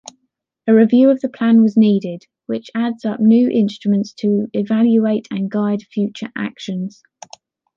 A review of the Plan was needed, which adds up new instruments to evaluate and guide future actions.